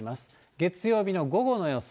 月曜日の午後の予想。